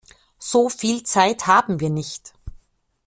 So viel Zeit haben wir nicht!